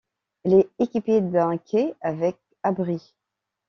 Elle est équipée d'un quai avec abri.